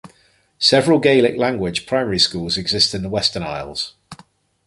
Several Gaelic language primary schools exist in the Western Isles.